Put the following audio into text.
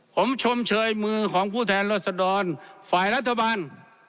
ผมชมเชยมือของผู้แทนรัศดรฝ่ายรัฐบาล